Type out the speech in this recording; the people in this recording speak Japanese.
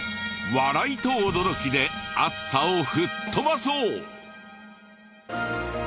笑いと驚きで暑さを吹っ飛ばそう！